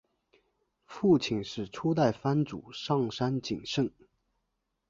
父亲是初代藩主上杉景胜。